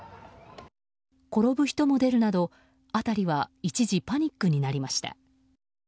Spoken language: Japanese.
転ぶ人も出るなど辺りは一時パニックになりました。